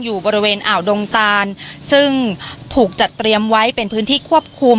อยู่บริเวณอ่าวดงตานซึ่งถูกจัดเตรียมไว้เป็นพื้นที่ควบคุม